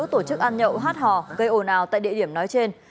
tổ chức ăn nhậu hát hò gây ồn ào tại địa điểm nói trên